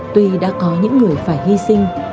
tuy đã có những người phải hy sinh